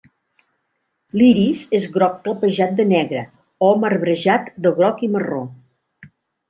L'iris és groc clapejat de negre o marbrejat de groc i marró.